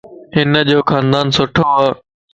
ھنَ جو خاندان سھڻوَ